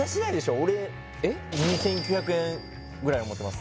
俺２９００円ぐらい思ってます